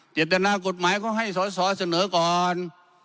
เกียรตนากฎหมายก็ให้สอเสนอก่อน